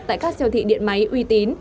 tại các siêu thị điện máy uy tín